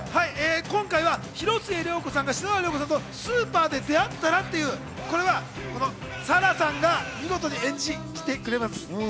今は広末涼子さんが篠原涼子さんとスーパーで出会ったらというのを沙羅さんが見事に演じきってくれてます。